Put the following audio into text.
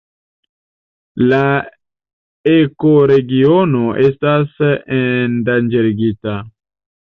La ekoregiono estas endanĝerigita.